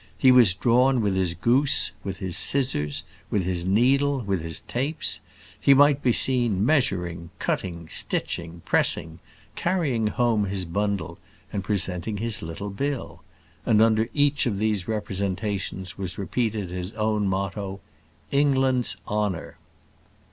He was drawn with his goose, with his scissors, with his needle, with his tapes; he might be seen measuring, cutting, stitching, pressing, carrying home his bundle, and presenting his little bill; and under each of these representations was repeated his own motto: "England's honour."